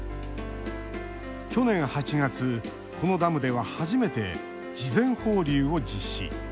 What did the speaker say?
去年８月、このダムでは初めて事前放流を実施。